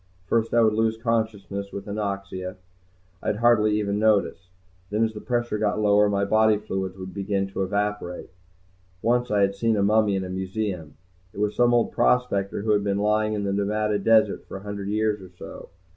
First I would lose consciousness with anoxia. I'd hardly even notice. Then as the pressure got lower my body fluids would begin to evaporate. Once I had seen a mummy in a museum, it was some old prospector who had been lying in the Nevada desert for a hundred years or so.